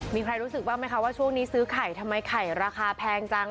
มีใครรู้สึกบ้างไหมคะว่าช่วงนี้ซื้อไข่ทำไมไข่ราคาแพงจัง